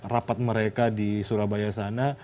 rapat mereka di surabaya sana